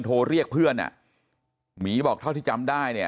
หยุดรถคืนโทรเรียกเพื่อนหมีบอกเท่าที่ที่จำได้